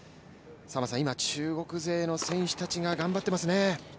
今、中国勢の選手たちが頑張っていますね。